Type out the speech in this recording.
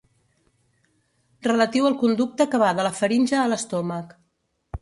Relatiu al conducte que va de la faringe a l'estómac.